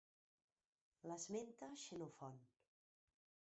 L'esmenta Xenofont.